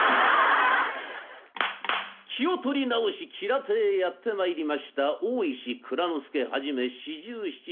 気を取り直し吉良邸へやって参りました大石内蔵助はじめ四十七士。